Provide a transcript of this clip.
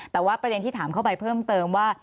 แต่ว่าประเด็นที่ถามเข้าไปเพิ่มเติมว่า